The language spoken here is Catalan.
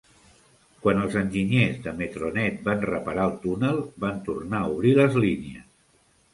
Quan els enginyers de Metronet van reparar el túnel, van tornar a obrir les línies.